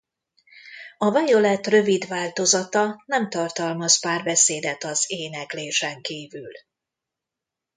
A Violet rövid változata nem tartalmaz párbeszédet az éneklésen kívül.